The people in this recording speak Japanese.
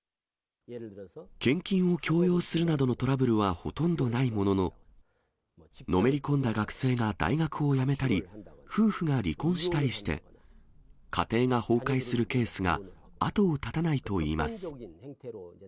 献金を強要するなどのトラブルはほとんどないものの、のめり込んだ学生が大学を辞めたり、夫婦が離婚したりして、家庭が崩壊するケースが後を絶たないといいます。